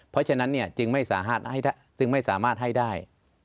เพราะฉะนั้นจึงไม่สามารถให้ได้